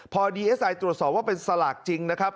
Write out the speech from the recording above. พอดีเอสไอตรวจสอบว่าเป็นสลากจริงนะครับ